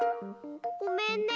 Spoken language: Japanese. ごめんね。